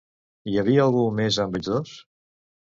Hi havia algú més amb ells dos?